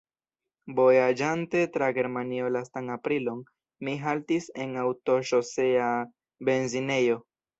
Vojaĝante tra Germanio lastan aprilon, mi haltis en aŭtoŝosea benzinejo.